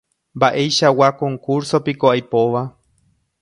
Mba'eichagua concurso-piko aipóva.